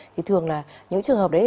thì thường là những trường hợp đấy